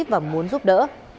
và muốn giúp đỡ